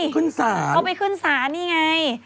เขาไปขึ้นศาลนี่ไง